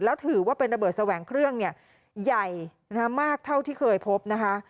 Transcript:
แล้วถือว่าเป็นระเบิดแสวงเครื่องเนี่ยใหญ่มากเท่าที่เคยพบนะคะ